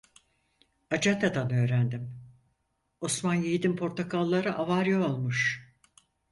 Acentadan öğrendim, Osman Yiğit'in portakalları avarya olmuş.